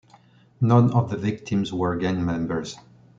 None of the victims were gang members.